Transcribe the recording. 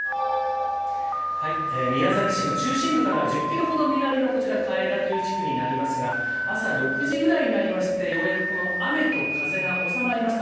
宮崎市の中心部からは１０キロほど南の平良という地区になりますが朝６時ぐらいになってようやく雨と風が収まりました。